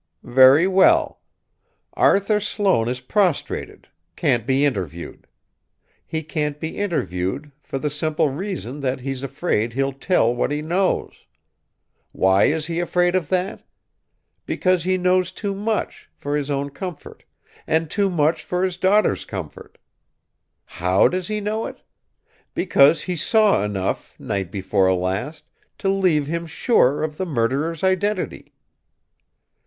"Very well. Arthur Sloane is prostrated, can't be interviewed. He can't be interviewed, for the simple reason that he's afraid he'll tell what he knows. Why is he afraid of that? Because he knows too much, for his own comfort, and too much for his daughter's comfort. How does he know it? Because he saw enough night before last to leave him sure of the murderer's identity.